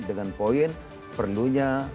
dengan poin perlunya